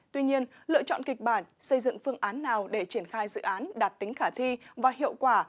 tuy nhiên lựa chọn kịch bản xây dựng phương án nào để triển khai dự án đạt tính khả thi và hiệu quả